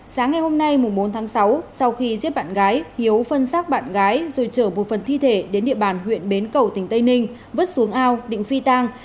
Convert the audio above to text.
sáng ngày hôm nay bốn tháng sáu sau khi giết bạn gái hiếu phân xác bạn gái rồi trở một phần thi thể đến địa bàn huyện bến cầu tỉnh tây ninh vứt xuống ao định phi tang